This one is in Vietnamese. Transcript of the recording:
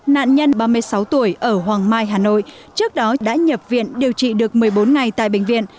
nạn nhân ba mươi sáu tuổi ở hoàng mai hà nội trước đó đã nhập viện điều trị được một mươi bốn ngày tại bệnh viện